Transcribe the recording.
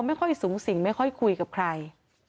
ไม่ค่อยสูงสิงไม่ค่อยคุยกับใคร